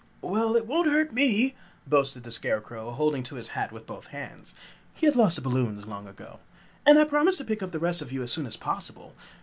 "Well, it won't hurt me!" boasted the Scarecrow, holding to his hat with both hands. He had lost the balloons long ago. "And I promise to pick up the rest of you as soon as possible.